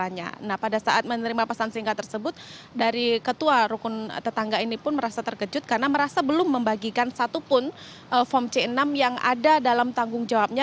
nah pada saat menerima pesan singkat tersebut dari ketua rukun tetangga ini pun merasa terkejut karena merasa belum membagikan satupun form c enam yang ada dalam tanggung jawabnya